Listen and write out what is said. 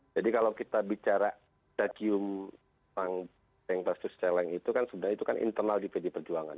jadi kalau kita bicara adegium banteng versus celeng itu kan sebenarnya itu kan internal di pdi perjuangan